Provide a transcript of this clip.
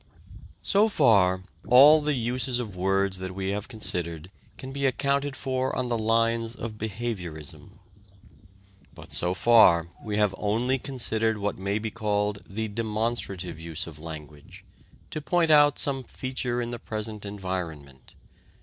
So far, all the uses of words that we have considered can be accounted for on the lines of behaviourism. But so far we have only considered what may be called the "demonstrative" use of language, to point out some feature in the present environment.